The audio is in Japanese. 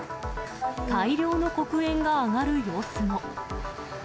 大量の黒煙が上がる様子も。